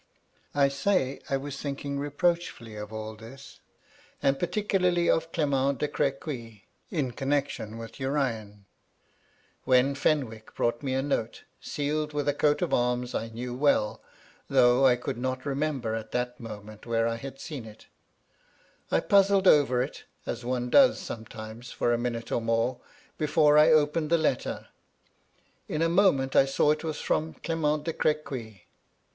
I say I was thinking reproachfully of all this, and particularly of Clement de Crequy in connection with Urian, when Fenwick brought me a note, sealed with a coat of arms I knew well, though I could not remember at the moment where I had seen it I puzzled over it, as one does sometimes, for a minute or more, before I opened the letter. In a moment 1 saw It was from Clement de Crequy.